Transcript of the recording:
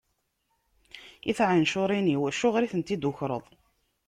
I tɛencuṛin-iw, acuɣer i tent-id-tukwreḍ?